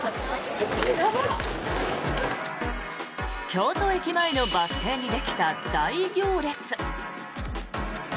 京都駅前のバス停にできた大行列。